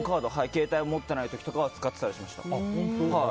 携帯を持っていない時は使ってたりしました。